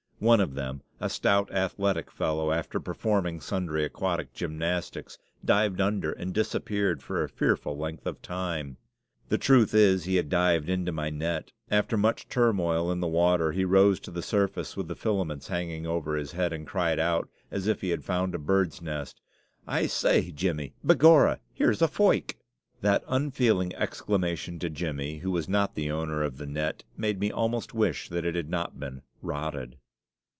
One of them, a stout, athletic fellow, after performing sundry aquatic gymnastics, dived under and disappeared for a fearful length of time. The truth is, he had dived into my net. After much turmoil in the water, he rose to the surface with the filaments hanging over his head, and cried out, as if he had found a bird's nest: "I say, Jimmy! begorra, here's a foike!" That unfeeling exclamation to Jimmy, who was not the owner of the net, made me almost wish that it had not been "rotted."